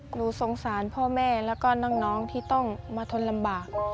หนูสงสารพ่อแม่แล้วก็น้องที่ต้องมาทนลำบาก